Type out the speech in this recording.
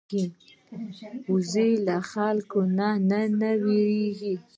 وزې له خلکو نه نه وېرېږي